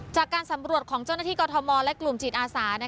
จากการสำรวจของเจ้าหน้าที่กรทมและกลุ่มจิตอาสา